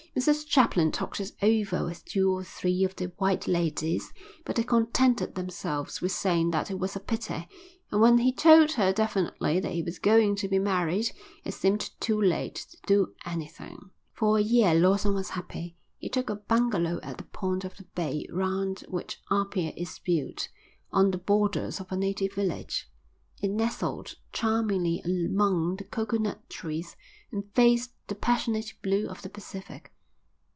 Mrs Chaplin talked it over with two or three of the white ladies, but they contented themselves with saying that it was a pity; and when he told her definitely that he was going to be married it seemed too late to do anything. For a year Lawson was happy. He took a bungalow at the point of the bay round which Apia is built, on the borders of a native village. It nestled charmingly among the coconut trees and faced the passionate blue of the Pacific.